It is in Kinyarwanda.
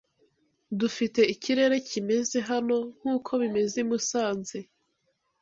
Dufite ikirere kimeze hano nkuko bimeze i Musanze.